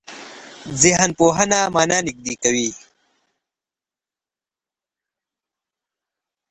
ذهنپوهنه مانا نږدې کوي.